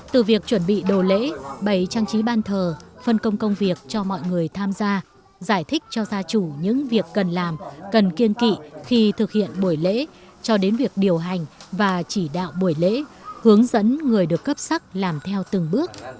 từ việc chuẩn bị đồ lễ bày trang trí ban thờ phân công công việc cho mọi người tham gia giải thích cho gia chủ những việc cần làm cần kiên kỵ khi thực hiện buổi lễ cho đến việc điều hành và chỉ đạo buổi lễ hướng dẫn người được cấp sắc làm theo từng bước